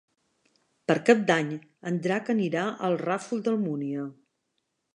Per Cap d'Any en Drac anirà al Ràfol d'Almúnia.